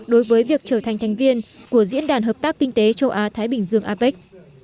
đối với việc trở thành thành viên của diễn đàn hợp tác kinh tế châu á thái bình dương apec